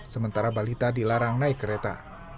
sementara balita dilarang naik kereta